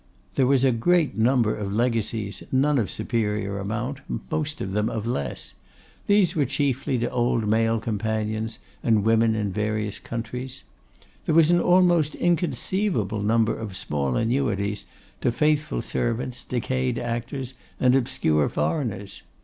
There was a great number of legacies, none of superior amount, most of them of less: these were chiefly left to old male companions, and women in various countries. There was an almost inconceivable number of small annuities to faithful servants, decayed actors, and obscure foreigners.